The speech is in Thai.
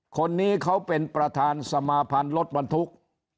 คนนี้เขาเป็นประธานสมาภัณฑ์ลดมันทุกข์